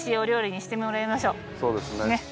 そうですね。